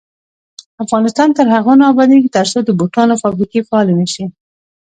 افغانستان تر هغو نه ابادیږي، ترڅو د بوټانو فابریکې فعالې نشي.